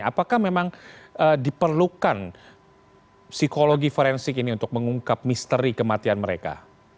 apakah memang diperlukan psikologi forensik ini untuk mengungkap misteri kematian mereka